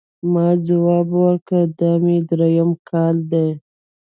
ما ځواب ورکړ، دا مې درېیم کال دی.